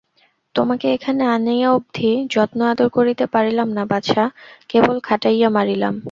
তোমাকে এখানে আনিয়া অবধি যত্ন-আদর করিতে পারিলাম না বাছা, কেবল খাটাইয়া মারিলাম।